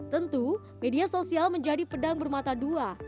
tentu media sosial menjadi pedang bermata dua